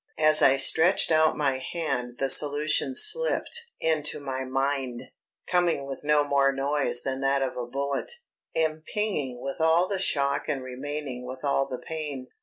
As I stretched out my hand the solution slipped into my mind, coming with no more noise than that of a bullet; impinging with all the shock and remaining with all the pain.